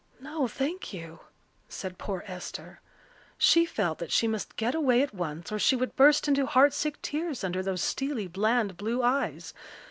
"No, thank you," said poor Esther. She felt that she must get away at once or she would burst into heartsick tears under those steely, bland blue eyes.